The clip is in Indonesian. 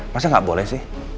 masih gak boleh sih